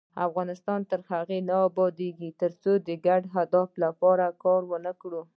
افغانستان تر هغو نه ابادیږي، ترڅو د ګډ هدف لپاره کار ونکړو.